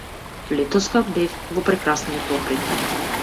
Летоска бев во прекрасниот Охрид.